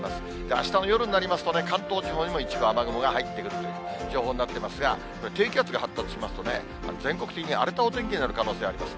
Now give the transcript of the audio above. あしたの夜になりますと、関東地方にも一部雨雲が入ってくるという情報になっていますが、これ、低気圧が発生しますとね、全国的に荒れたお天気になる可能性があります。